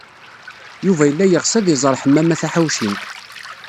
Yuba yella yeɣs ad iẓer Ḥemmama Taḥawcint.